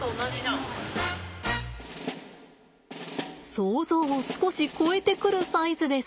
想像を少し超えてくるサイズです。